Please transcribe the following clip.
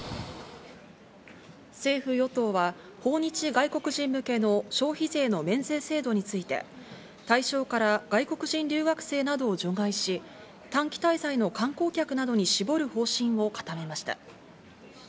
政府与党は訪日外国人向けの消費税の免税制度について対象から外国人留学生などを除外し、短期滞在の観光客などに絞る方針を固めました。